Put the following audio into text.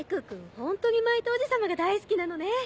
ホントにマイトおじ様が大好きなのね。